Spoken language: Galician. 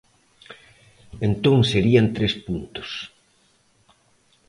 Entón serían tres puntos.